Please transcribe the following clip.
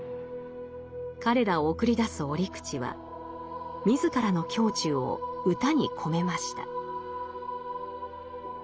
彼らを送り出す折口は自らの胸中を歌に込めました。